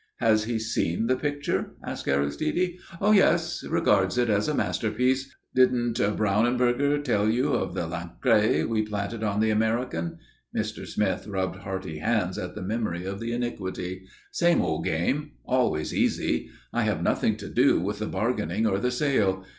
"Has he seen the picture?" asked Aristide. "Oh, yes. Regards it as a masterpiece. Didn't Brauneberger tell you of the Lancret we planted on the American?" Mr. Smith rubbed hearty hands at the memory of the iniquity. "Same old game. Always easy. I have nothing to do with the bargaining or the sale.